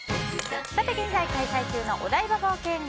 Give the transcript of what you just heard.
現在開催中のお台場冒険王